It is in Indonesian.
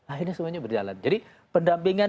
akhirnya semuanya berjalan jadi pendampingan